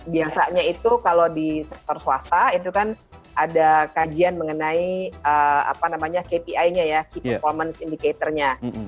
biasanya itu kalau di sektor swasta itu kan ada kajian mengenai kpi nya ya key performance indicatornya